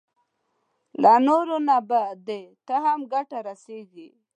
له نورو نه به ده ته هم ګټه رسېږي.